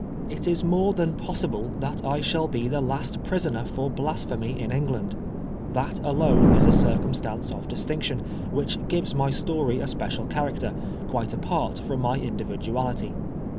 It is more than possible that I shall be the last prisoner for blasphemy in England. That alone is a circumstance of distinction, which gives my story a special character, quite apart from my individuality.